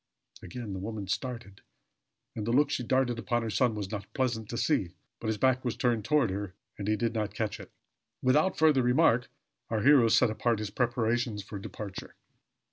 Again the woman started; and the look she darted upon her son was not pleasant to see; but his back was turned toward her, and he did not catch it. Without further remark, our hero set about his preparations for departure.